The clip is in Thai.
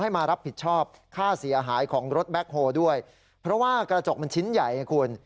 มารับผิดชอบค่าเสียหายของรถแบ็คโฮลด้วยเพราะว่ากระจกมันชิ้นใหญ่ไงคุณ